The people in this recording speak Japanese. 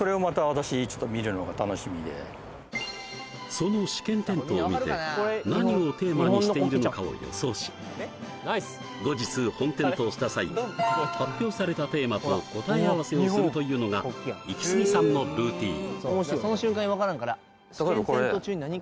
その試験点灯を見て何をテーマにしているのかを予想し後日本点灯した際発表されたテーマと答え合わせをするというのがイキスギさんのルーティンえ何？